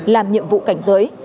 làm nhiệm vụ cảnh giới